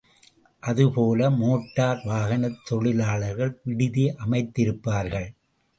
அதேபோல மோட்டார் வாகனத் தொழிலாளர்கள் விடுதி அமைத்திருப்பார்கள்.